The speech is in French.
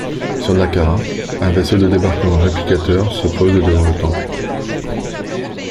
Sur Dakara, un vaisseau de débarquement Réplicateur se pose devant le temple.